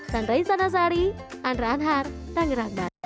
sandra insanasari andra anhar tangerang banten